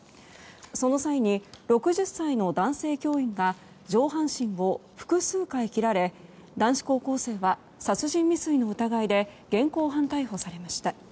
その際に、６０歳の男性教員が上半身を複数回切られ男子高校生は殺人未遂の疑いで現行犯逮捕されました。